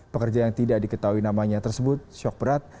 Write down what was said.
pekerja yang tidak diketahui namanya tersebut syok berat